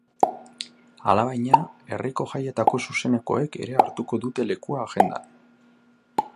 Alabaina, herriko jaietako zuzenekoek ere hartuko dute lekua agendan.